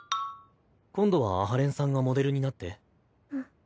今度は阿波連さんがモデルになって。